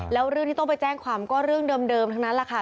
แล้วเรื่องที่ต้องไปแจ้งความก็เรื่องเดิมทั้งนั้นแหละค่ะ